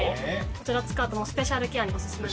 こちら使うとスペシャルケアにおすすめの。